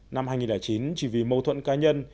năm hai nghìn chín chỉ vì mâu thuẫn cá nhân